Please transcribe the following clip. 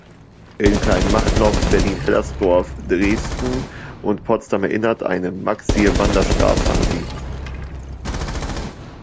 In Kleinmachnow, Berlin-Hellersdorf, Dresden und Potsdam erinnert eine Maxie-Wander-Straße an sie.